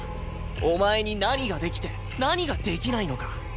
お前に何ができて何ができないのか。